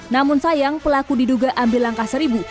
namun sayang pelaku diduga ambil langkah seribu